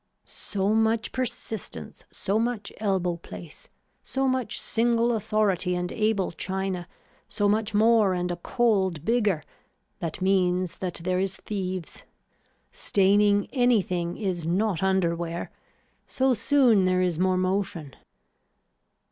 So much persistance, so much elbow place, so much single authority and able china, so much more and a cold bigger, that means that there is thieves. Staining anything is not underwear. So soon there is more motion.